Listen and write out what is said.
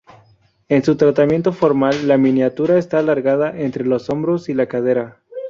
En su tratamiento formal, la miniatura está alargada entre los hombros y la cadera.